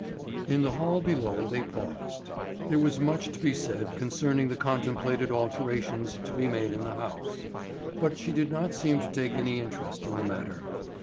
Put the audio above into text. In the hall below they paused. There was much to be said concerning the contemplated alterations to be made in the house, but she did not seem to take any interest in the matter.